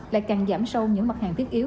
lại càng giảm sâu những mặt hàng thiết yếu